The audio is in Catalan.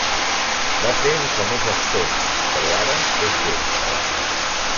Va ser un famós actor, però ara és vell.